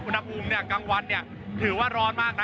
คุณภูมิเนี่ยกลางวันเนี่ยถือว่าร้อนมากนะ